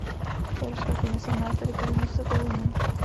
Evropská komise má tedy povinnost se toho ujmout.